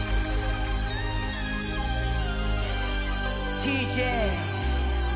ＴＪ！